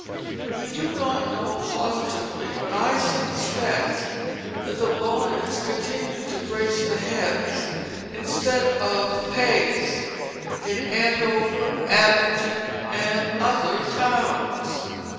We do not know positively, but I suspect that the bonnets continued to grace the heads instead of the pegs in Andover, Abington, and other towns.